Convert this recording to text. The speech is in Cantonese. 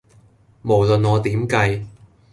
無論我點計